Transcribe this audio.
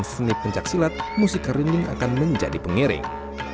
dengan penyanyi pencaksilat musik karinding akan menjadi pengiring